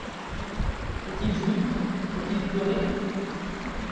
Faut-il jouir ? faut-il pleurer ?